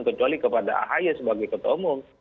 kecuali kepada ahy sebagai ketua umum